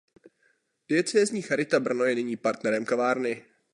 Diecézní charita Brno je nyní partnerem kavárny.